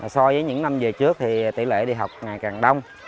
so với những năm về trước tỷ lệ đi học ngày càng đông